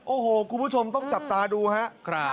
โอ้โหคุณผู้ชมต้องจับตาดูครับ